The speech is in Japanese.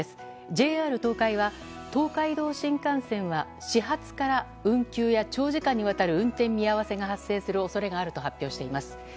ＪＲ東海は東海道新幹線は始発から運休や長時間にわたる運転見合わせが発生する恐れがあると発表しています。